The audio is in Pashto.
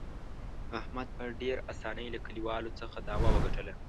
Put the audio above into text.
احمد په ډېر اسانۍ له کلیوالو څخه دعوه وګټله.